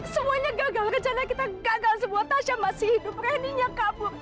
semuanya gagal rencana kita gagal semua tasya masih hidup randy nya kabur